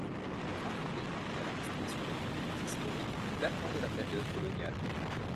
Leur arrivée conduit à la restauration de monuments historiques datant de la période coloniale.